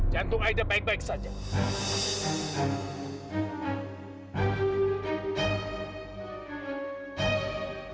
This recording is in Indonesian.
jantung aida baik baik saja